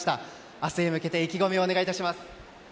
明日へ向けて意気込みをお願いします。